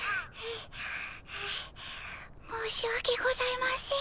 申しわけございません。